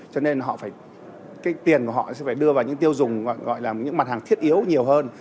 cho nên tiền của họ sẽ phải đưa vào những tiêu dùng gọi là những mặt hàng thiết yếu nhiều hơn